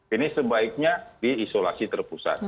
ini sebaiknya di isolasi terpusat